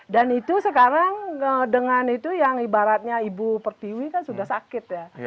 dan itu sekarang dengan itu yang ibaratnya ibu perpiwi kan sudah sakit ya